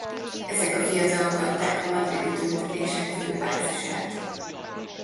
Ezek a fiatalok adták a madridi tüntetések fő bázisát.